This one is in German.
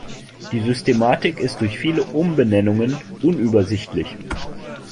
Die Systematik ist durch viele Umbenennungen unübersichtlich.